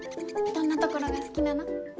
どんなところが好きなの？